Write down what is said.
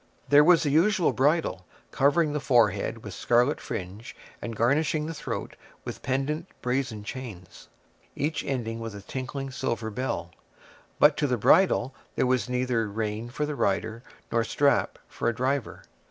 There was the usual bridle, covering the forehead with scarlet fringe, and garnishing the throat with pendent brazen chains, each ending with a tinkling silver bell; but to the bridle there was neither rein for the rider nor strap for a driver.